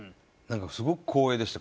すごく光栄でした。